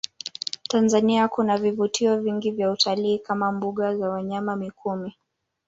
Tanzania kuna vivutio vingi vya utalii kama mbuga za wanyama mikumi